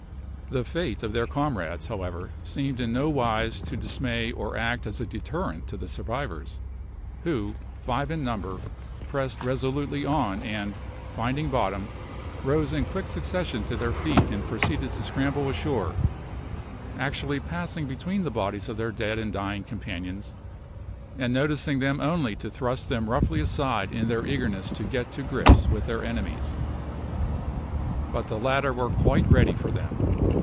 The fate of their comrades, however, seemed in no wise to dismay or act as a deterrent to the survivors, who, five in number, pressed resolutely on and, finding bottom, rose in quick succession to their feet and proceeded to scramble ashore, actually passing between the bodies of their dead and dying companions, and noticing them only to thrust them roughly aside in their eagerness to get to grips with their enemies. But the latter were quite ready for them.